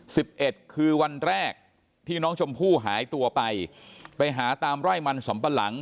สิบเอ็ดคือวันแรกที่น้องชมพู่หายตัวไปไปหาตามไร่มันสำปะหลัง